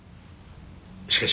しかし。